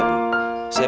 saya surya bu